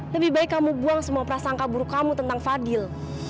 lebih baik kamu buang semua prasangka buruk kamu tentang fadil